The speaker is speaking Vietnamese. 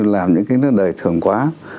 làm những cái nước đời thường quá